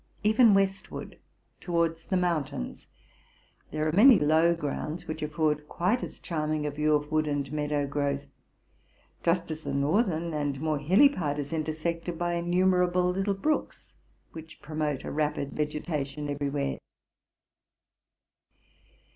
Even west ward, towards the mountains, there are many low grounds, which afford quite as charming a view of wood and meadow growth, just as the northern and more hilly part is intersected by innumerable little brooks, which promote a rapid vege tation ev erywhere.